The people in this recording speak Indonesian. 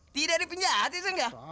tidak ada penjahat ya sangga